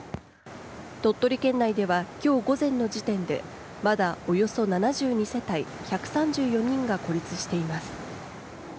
鳥取県内では今日午前の時点でまだおよそ７２世帯１３４人が孤立しています。